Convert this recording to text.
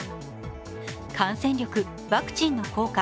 感染力、ワクチンの効果